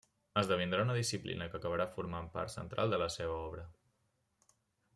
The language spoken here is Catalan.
Esdevindrà una disciplina que acabarà formant part central de la seva obra.